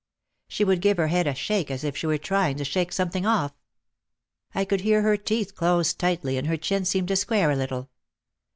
She would give her head a shake as if she were trying to shake something off. I could hear her teeth close tightly and her chin seemed to square a little.